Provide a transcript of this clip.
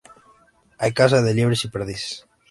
Hay caza de liebres y perdices.